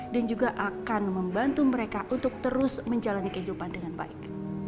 dan juga akan membantu mereka untuk terus menjalani kehidupan dengan baik